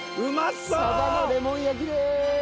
サバのレモン焼きです。